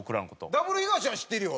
ダブルヒガシは知ってるよ。